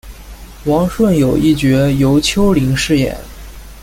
王顺友一角由邱林饰演。